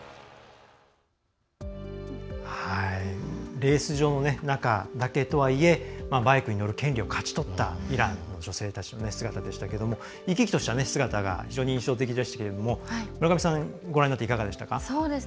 レース場の中だけとはいえバイクに乗る権利を勝ち取ったイランの女性たちの姿でしたけれども生き生きとした姿が非常に印象的でしたけれども村上さんご覧になっていかがでしたか？